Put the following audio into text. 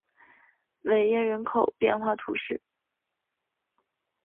韦耶人口变化图示